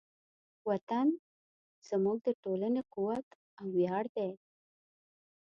وطن زموږ د ټولنې قوت او ویاړ دی.